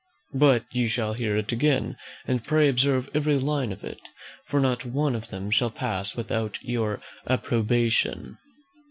But you shall hear it again, and pray observe every line of it; for not one of them shall pass without your approbation.